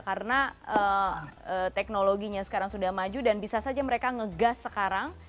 karena teknologinya sekarang sudah maju dan bisa saja mereka ngegas sekarang